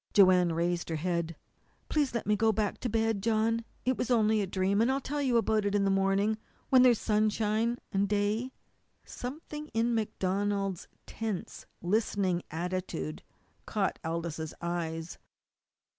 Joanne raised her head. "Please let me go back to bed, John. It was only a dream, and I'll tell it to you in the morning, when there's sunshine and day." Something in MacDonald's tense, listening attitude caught Aldous' eyes.